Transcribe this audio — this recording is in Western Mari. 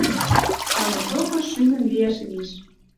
Халык докы шӱмӹн лиӓш виш.